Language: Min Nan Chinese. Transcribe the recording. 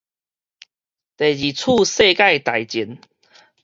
第二次世界大戰